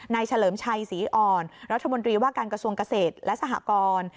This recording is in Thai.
เฉลิมชัยศรีอ่อนรัฐมนตรีว่าการกระทรวงเกษตรและสหกร